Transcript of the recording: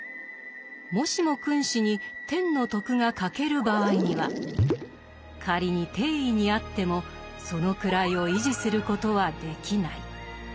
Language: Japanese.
もしも君子に天の徳が欠ける場合にはかりに帝位にあってもその位を維持することはできない。